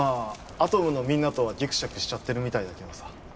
アトムのみんなとはギクシャクしちゃってるみたいだけどさ